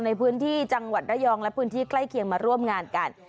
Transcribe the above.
ในพื้นที่จังหวัดระยองและพื้นที่ใกล้เคียงมาร่วมงานกัน